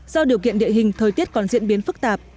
do điều kiện địa hình thời tiết còn diễn biến phức tạp